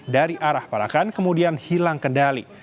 dari arah parakan kemudian hilang kendali